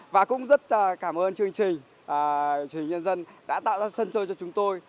và cũng rất cảm ơn chương trình truyền hình nhân dân đã tạo ra sân chơi cho chúng tôi